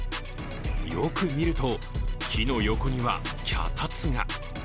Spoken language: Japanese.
よく見ると、木の横には脚立が。